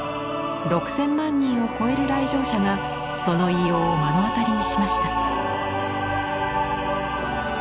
６，０００万人を超える来場者がその威容を目の当たりにしました。